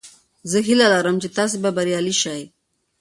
زه هیله لرم چې تاسې به بریالي شئ.